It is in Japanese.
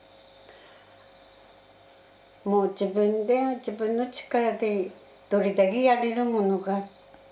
もう自分で自分の力でどれだけやれるものか。